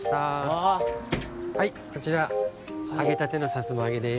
はいこちらあげたてのさつまあげです。